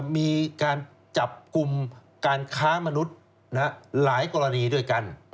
มีการจับกลุ่มการค้ามนุษย์หลายกรณีด้วยกัน